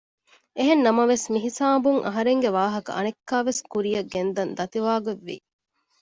އެހެންނަމަވެސް މިހިސާބުން އަހަރެންގެ ވާހަކަ އަނެއްކާވެސް ކުރިއަށް ގެންދަން ދަތިވާގޮތް ވި